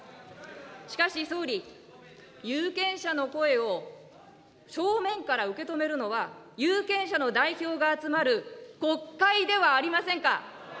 しかし総理、有権者の声を正面から受け止めるのは、有権者の代表が集まる国会ではありませんか。